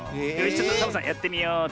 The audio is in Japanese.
ちょっとサボさんやってみようっと。